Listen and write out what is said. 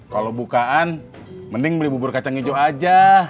kalau bukaan mending beli bubur kacang hijau aja